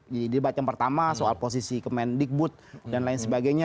di debat yang pertama soal posisi kemendikbud dan lain sebagainya